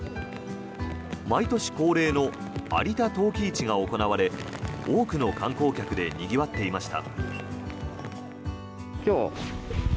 毎年恒例の有田陶器市が行われ多くの観光客でにぎわっていました。